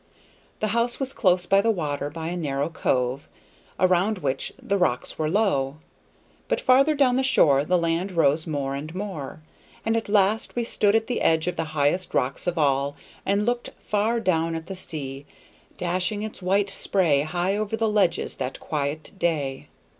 The house was close by the water by a narrow cove, around which the rocks were low, but farther down the shore the land rose more and more, and at last we stood at the edge of the highest rocks of all and looked far down at the sea, dashing its white spray high over the ledges that quiet day.